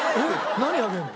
何あげるの？